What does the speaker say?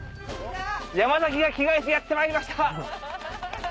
山崎が着替えてやってまいりました！